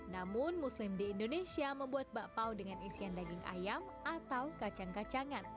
namun muslim di indonesia membuat bakpao dengan isian daging ayam atau kacang kacangan